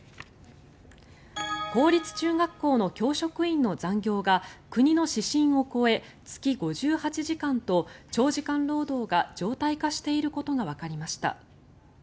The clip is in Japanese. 公立中学校の教職員の残業が国の指針を超え月５８時間と長時間労働が常態化していることがわかりました。